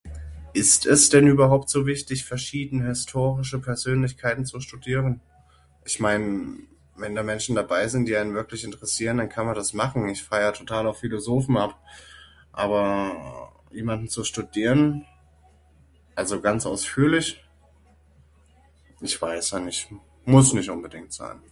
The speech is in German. Ist es denn überhaupt so wichtig verschiedene historische Persönlichkeiten zu studieren? Ich mein, wenn da Menschen dabei sind die ein wirklich interessieren dann kann man das machen, ich fahr ja total auf Philosophen ab aber jemanden zu studieren also ganz ausführlich? Ich weiß ja nicht, muss nicht unbedingt sein.